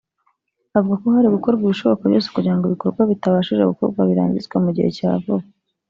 avuga ko hari gukorwa ibishoboka byose kugira ngo ibikorwa bitabashije gukorwa birangizwe mu gihe cya vuba